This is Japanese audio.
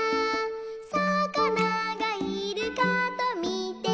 「さかながいるかとみてました」